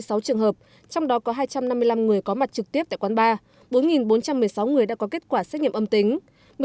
bốn bốn trăm sáu mươi sáu trường hợp trong đó có hai trăm năm mươi năm người có mặt trực tiếp tại quán ba bốn bốn trăm một mươi sáu người đã có kết quả xét nghiệm âm tính